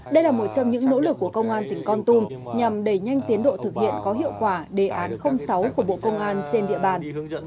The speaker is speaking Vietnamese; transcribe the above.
đây là một trong những nỗ lực của công an tỉnh con tum nhằm đẩy nhanh tiến độ thực hiện có hiệu quả đề án sáu của bộ công an trên địa bàn